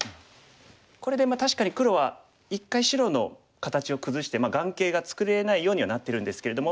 これで確かに黒は一回白の形を崩して眼形が作れないようにはなってるんですけれども。